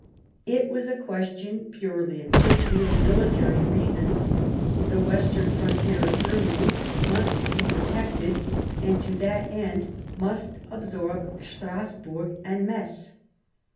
It was a question purely and simply of military reasons : the western frontier of Germany must be protected, and, to that end, must absorb Strasburg and Metz.